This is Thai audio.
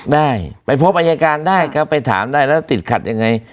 ได้ไปพบอายการได้ครับไปถามได้แล้วติดขัดยังไง